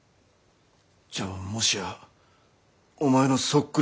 じゃあもしやお前のそっくりさんは。